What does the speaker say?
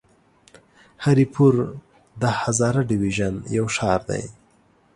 هري پور د هزاره ډويژن يو ښار دی.